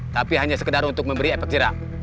tapi hanya sekedar untuk memberi efek jerah